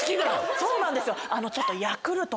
そうなんですよ。